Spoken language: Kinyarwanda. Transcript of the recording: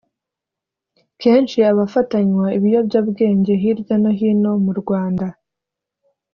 Kenshi abafatanywa ibiyobyabwenge hirya no hino mu Rwanda